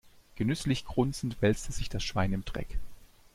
Genüsslich grunzend wälzte sich das Schwein im Dreck.